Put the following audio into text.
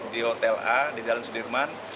di hotel a di jalan sudirman